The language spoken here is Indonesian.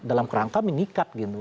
dalam kerangka meningkat